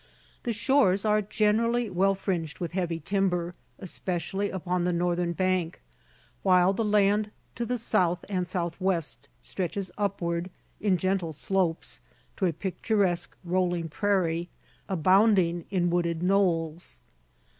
The shores are generally well fringed with heavy timber, especially upon the northern bank, while the land to the south and southwest stretches upward, in gentle slopes, to a picturesque rolling prairie, abounding in wooded knolls.